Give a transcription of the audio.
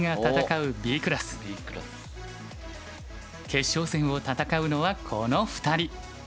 決勝戦を戦うのはこの２人。